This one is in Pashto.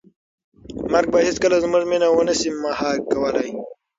مرګ به هیڅکله زموږ مینه ونه شي مهار کولی.